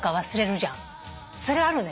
それあるね。